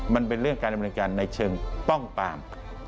มันเป็นเรื่องการดำเนินการในเชิงป้องปาม